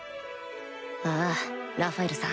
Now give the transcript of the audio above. ああラファエルさん